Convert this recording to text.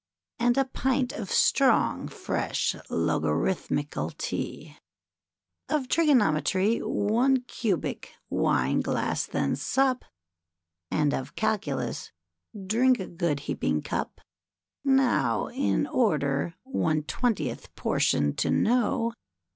And a pint of strong, fresh Logarithmical Tea, Of Trigonometry, one cubic wine glass then sup. And of Calculus drink a good, heaping cup. Now, in order one twentieth portion to know.